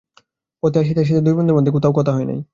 পথে আসিতে আসিতে দুই বন্ধুর মধ্যে কোনো কথাই হয় নাই।